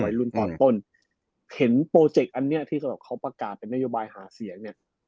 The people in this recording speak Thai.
รุ่นตอนต้นเห็นโปรเจกต์อันเนี้ยที่สำหรับเขาประกาศเป็นนโยบายหาเสียงเนี่ย